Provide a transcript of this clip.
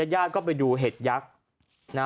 ญาติก็ไปดูเห็ดยักษ์นะ